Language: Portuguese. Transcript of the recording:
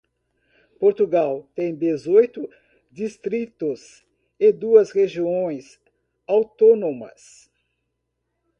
Portugal tem dezoito distritos e duas regiões autónomas.